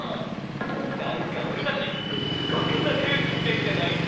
なんかオレたちすごくなかよしみたいじゃない？